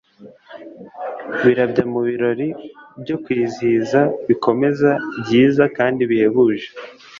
birabya mu birori byo kwizihiza bikomeza, byiza, kandi bihebuje